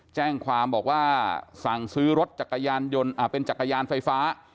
แจ้งความบอกว่าสั่งซื้อรถจักรยานไฟฟ้า